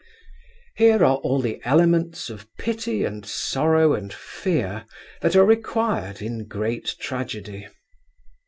Here are all the elements of pity and sorrow and fear that are required in great tragedy.